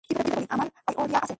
কীভাবে বলি, আমার পাইওরিয়া আছে।